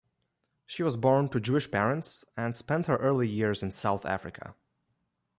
She was born to Jewish parents and spent her early years in South Africa.